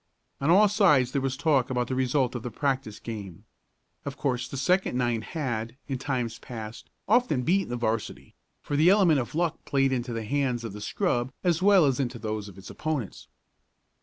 On all sides there was talk about the result of the practice game. Of course the second nine had, in times past, often beaten the 'varsity, for the element of luck played into the hands of the scrub as well as into those of its opponents.